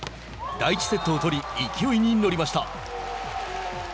第１セットを取り勢いに乗りました。